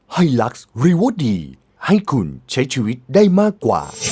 ลักษ์ริโวดีให้คุณใช้ชีวิตได้มากกว่า